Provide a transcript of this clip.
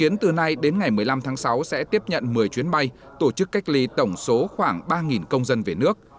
từ nay đến ngày một mươi năm tháng sáu sẽ tiếp nhận một mươi chuyến bay tổ chức cách ly tổng số khoảng ba công dân về nước